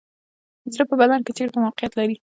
زړه په بدن کې چیرته موقعیت لري